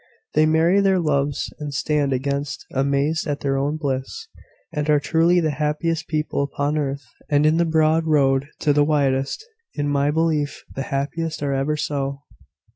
They marry their loves and stand amazed at their own bliss, and are truly the happiest people upon earth, and in the broad road to be the wisest. In my belief, the happiest are ever so."